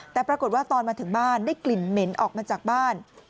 แต่ปรากฏว่าตอนมาถึงบ้านได้กลิ่นเหม็นออกมาจากบ้าน